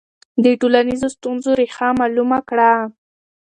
د ټولنیزو ستونزو ریښه معلومه کړه.